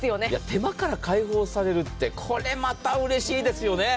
手間から解放されるってこれまたうれしいですよね。